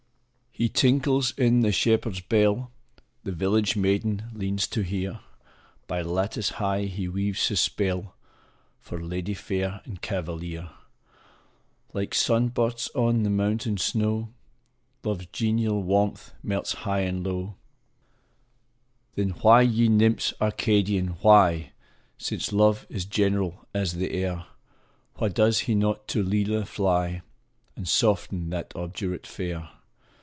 He tinkles in the shepherd s bell The village maiden leans to hear By lattice high he weaves his spell, For lady fair and cavalier : Like sun bursts on the mountain snow, Love s genial warmth melts high and low. THE DREAM OF LOVE. 71 Then why, ye nymphs Arcadian, why Since Love is general as the air Why does he not to Lelia fly, And soften that obdurate fair?